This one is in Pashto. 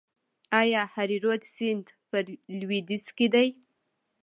آیا هریرود سیند په لویدیځ کې دی؟